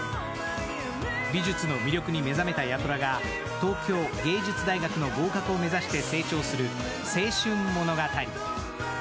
美術の魅力に目覚めた八虎が東京芸術大学の合格を目指して成長する青春物語。